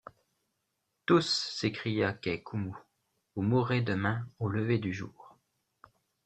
Tous, s’écria Kai-Koumou, vous mourrez demain au lever du jour!